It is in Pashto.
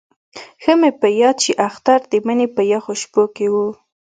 ښه مې په یاد شي اختر د مني په یخو شپو کې وو.